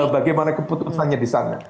bagaimana keputusannya di sana